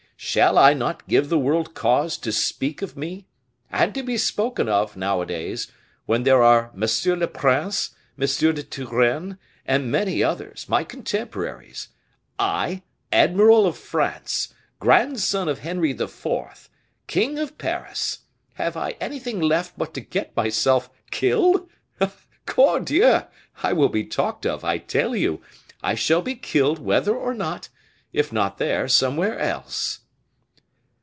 Shall I not give the world cause to speak of me? And to be spoken of, nowadays, when there are Monsieur le Prince, M. de Turenne, and many others, my contemporaries, I, admiral of France, grandson of Henry IV., king of Paris, have I anything left but to get myself killed? Cordieu! I will be talked of, I tell you; I shall be killed whether or not; if not there, somewhere else."